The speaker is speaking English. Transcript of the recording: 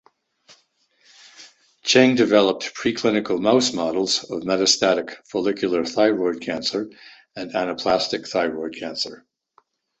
Cheng developed preclinical mouse models of metastatic follicular thyroid cancer and anaplastic thyroid cancer.